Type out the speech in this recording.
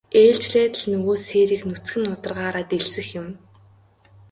Ээлжлээд л нөгөө сээрийг нүцгэн нударгаараа дэлсэх юм.